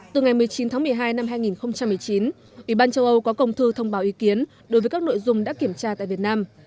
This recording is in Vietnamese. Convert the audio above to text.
từ ngày một mươi chín tháng một mươi hai năm hai nghìn một mươi chín ủy ban châu âu có công thư thông báo ý kiến đối với các nội dung đã kiểm tra tại việt nam